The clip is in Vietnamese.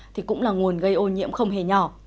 thì cũng là nguồn gây ô nhiễm không hề nhỏ